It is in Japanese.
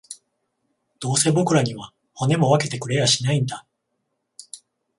どうせ僕らには、骨も分けてくれやしないんだ